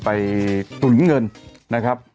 ไปสุนเงินนะครับ